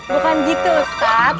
bukan gitu ustadz